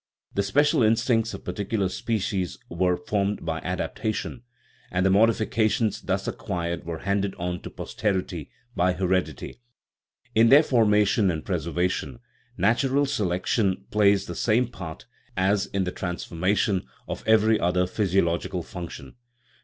The special instincts of particular species were formed by adaptation, and the modifications thus acquired were handed on to posterity by heredity ; in their for mation and preservation natural selection plays the same part as in the transformation of every other physi ological function.